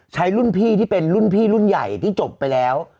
ใช้รุ่นพี่ที่เป็นรุ่นพี่รุ่นใหญ่ที่จบไปแล้ว